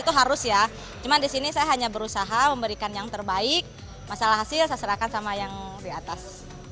itu harus ya cuman disini saya hanya berusaha memberikan yang terbaik masalah hasil saya serahkan sama yang di atas